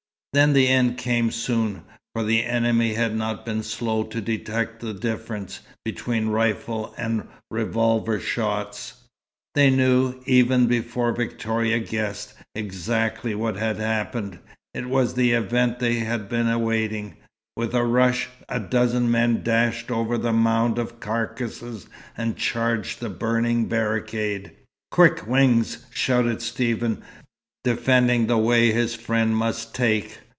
Then the end came soon, for the enemy had not been slow to detect the difference between rifle and revolver shots. They knew, even before Victoria guessed, exactly what had happened. It was the event they had been awaiting. With a rush, the dozen men dashed over the mound of carcasses and charged the burning barricade. "Quick, Wings," shouted Stephen, defending the way his friend must take.